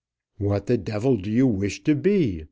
"What the devil do you wish to be?"